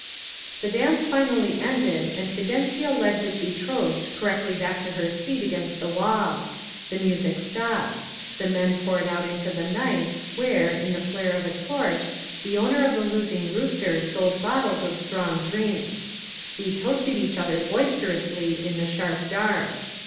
'* The dance finally ended and Fidencio led his be trothed correctly back to her seat against the wall. The music stopped. The men poured out into the night where, in the flare of a torch, the owner of the S98 HAPPY VALLEY losing rooster sold bottles of strong drink. We toasted each other boisterously in the sharp dark.